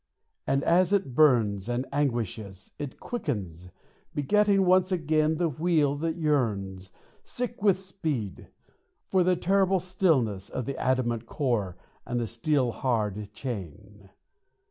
And as it burns and anguishes it quickens, Begetting once again the wheel that yearns Sick with its speed for the terrible stillness Of the adamant core and the steel hard chain.